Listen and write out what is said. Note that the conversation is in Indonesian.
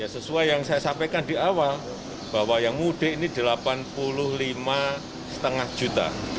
sesuai yang saya sampaikan di awal bahwa yang mudik ini delapan puluh lima lima juta